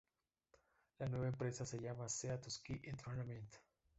La nueva empresa se llama Sea to Sky Entertainment.